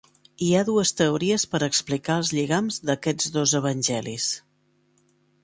Hi ha dues teories per explicar els lligams d'aquests dos evangelis.